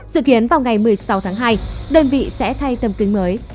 dự kiến vào ngày một mươi sáu tháng hai đơn vị sẽ thay tầm kính mới